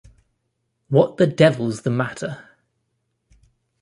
What the devil's the matter?